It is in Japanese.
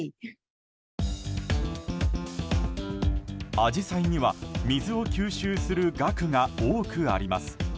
アジサイには水を吸収する、がくが多くあります。